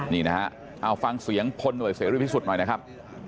นี่นะฮะเอาฟังเสียงพลหน่วยเสรีพิสุทธิ์หน่อยนะครับ